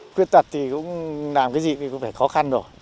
quyết tật thì cũng làm cái gì cũng phải khó khăn rồi